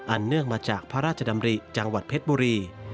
เนื่องมาจากพระราชดำริจังหวัดเพชรบุรี